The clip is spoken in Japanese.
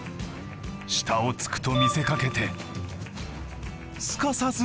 下を突くと見せかけてすかさず肩へ。